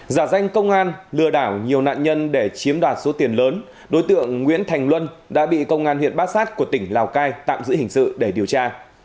giả danh công an lừa đảo nhiều nạn nhân để chiếm đoạt số tiền lớn đối tượng nguyễn thành luân đã bị công an huyện bát sát của tỉnh lào cai tạm giữ hình sự để điều tra